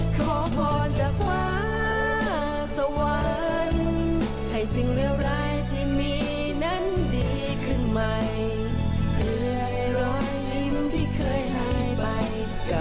ขอพอจากฟ้าสวรรค์ให้สิ่งเลวร้ายที่มีนั้นดีขึ้นใหม่